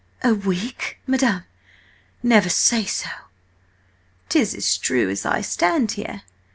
"A WEEK, madam? Never say so!" "'Tis as true as I stand here.